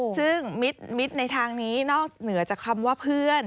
ซึ่งมิดในทางนี้นอกเหนือจากคำว่าเพื่อน